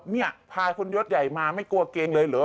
เนี่ยพาคนยศใหญ่มาไม่กลัวเกรงเลยเหรอ